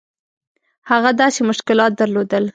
هغه داسې مشکلات درلودل.